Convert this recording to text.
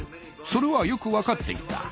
それはよく分かっていた。